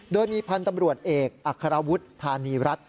โดยมีพันธ์ตำรวจเอกอัครวุฒิธานีรัฐ